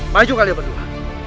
maju kalian berdua